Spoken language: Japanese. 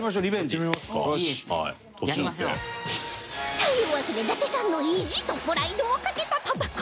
というわけで伊達さんの意地とプライドを懸けた戦い